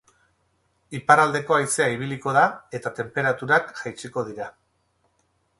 Iparraldeko haizea ibiliko da, eta tenperaturak jaitsiko dira.